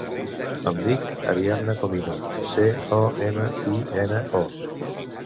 Em dic Arianna Comino: ce, o, ema, i, ena, o.